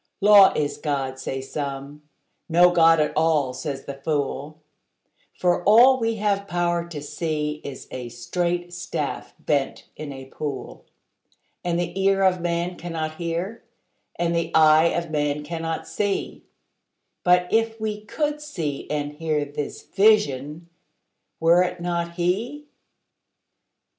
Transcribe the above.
Law is God, say some: no God at all, says the fool; For all we have power to see is a straight staff bent in a pool; And the ear of man cannot hear, and the eye of man cannot see; But if we could see and hear, this Vision—were it not He?